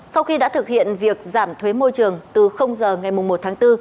sau khi đã thực hiện việc giảm thuế môi trường từ giờ ngày một tháng bốn